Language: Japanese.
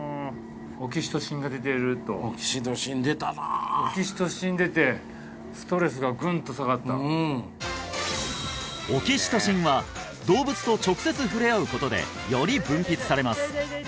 オキシトシンが出てるとオキシトシン出てストレスがぐんと下がったオキシトシンは動物と直接触れ合うことでより分泌されます